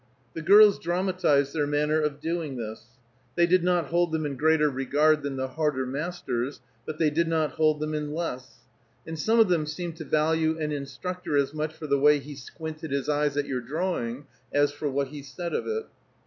The girls dramatized their manner of doing this; they did not hold them in greater regard than the harder masters, but they did not hold them in less, and some of them seemed to value an instructor as much for the way he squinted his eyes at your drawing as for what he said of it.